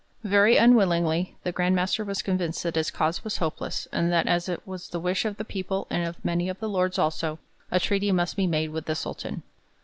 Very unwillingly the Grand Master was convinced that his cause was hopeless and that, as it was the wish of the people and of many of the lords also, a treaty must be made with the Sultan.